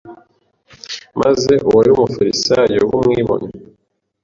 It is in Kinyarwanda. maze uwari umufarisayo w'umwibone